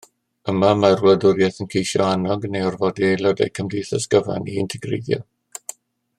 Yma, mae'r wladwriaeth yn ceisio annog neu orfodi aelodau cymdeithas gyfan i integreiddio.